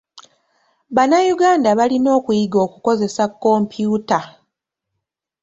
Bannayuganda balina okuyiga okukozesa kompyuta.